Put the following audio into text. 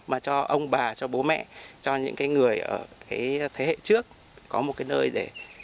mà cho ông bà cho bố mẹ cho những người ở thế hệ trước có một cái nơi để